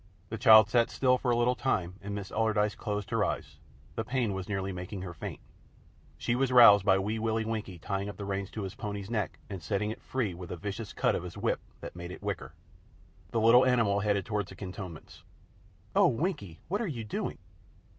The child sat still for a little time and Miss Allardyce closed her eyes; the pain was nearly making her faint. She was roused by Wee Willie Winkie tying up the reins on his pony's neck and setting it free with a vicious cut of his whip that made it whicker. The little animal headed toward the cantonments. "Oh, Winkie! What are you doing?"